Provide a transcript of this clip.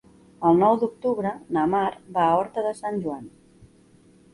El nou d'octubre na Mar va a Horta de Sant Joan.